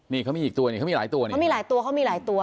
นี่เขามีอีกตัวนี่เขามีหลายตัวนี่เขามีหลายตัวเขามีหลายตัว